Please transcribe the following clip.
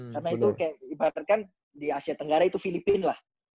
karena itu ibaratnya kan di asia tenggara itu filipina lah